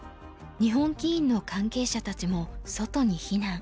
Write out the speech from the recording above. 日本棋院の関係者たちも外に避難。